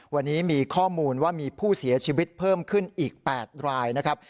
วันนี้มีข้อมูลว่ามีผู้เสียชีวิตเพิ่มขึ้นอีก๘รายนะครับ